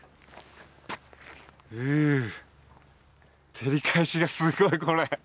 照り返しがすごいこれ！